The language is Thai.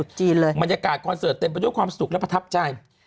จีนเลยบรรยากาศคอนเสิร์ตเต็มไปด้วยความสุขและประทับใจ